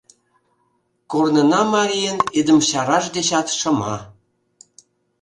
Корнына марийын идымчараж дечат шыма.